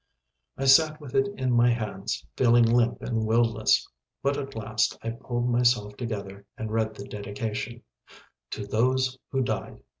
I sat with it in my hands, feeling limp and will less. But, at last, I pulled myself together. I read the dedication, "To those who died."